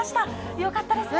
よかったですね。